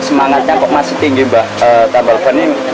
semangatnya kok masih tinggi mbak tambal ban ini